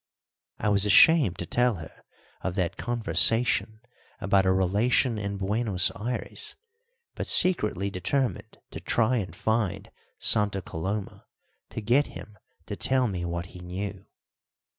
I was ashamed to tell her of that conversation about a relation in Buenos Ayres, but secretly determined to try and find Santa Coloma to get him to tell me what he knew.